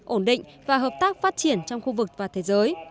ổn định và hợp tác phát triển trong khu vực và thế giới